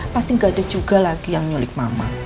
pasti nggak ada juga lagi yang nyulik mama